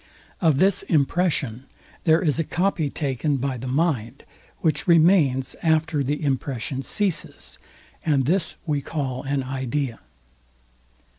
Of this impression there is a copy taken by the mind, which remains after the impression ceases; and this we call an idea.